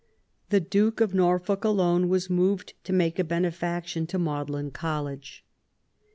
The Duke of Norfolk alone was moved to make a benefaction to Magdalene College.